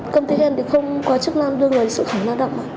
công ty em thì không có chức năng đưa người sự khẩu lao động